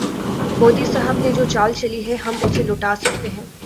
مودی صاحب نے جو چال چلی ہے، ہم اسے لوٹا سکتے ہیں۔